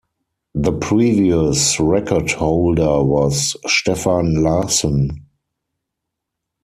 The previous record holder was Stefan Larsson.